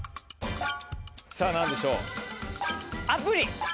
さぁ何でしょう？